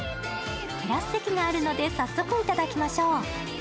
テラス席があるので早速頂きましょう。